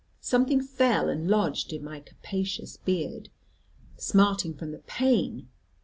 Something fell and lodged in my capacious beard. Smarting from the pain.